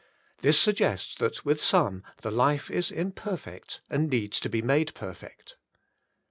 This suggests that with some the life is imperfect, and needs to be made perfect.